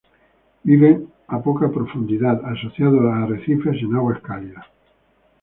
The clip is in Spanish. Viven a poco profundidad asociados a arrecifes en aguas cálidas.